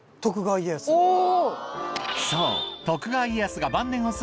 そう！